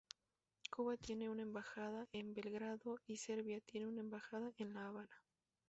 Cuba tiene una embajada en Belgrado y Serbia tiene una embajada en La Habana.